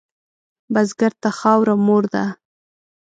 بزګر ته خاوره مور ده